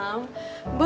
terima kasih mas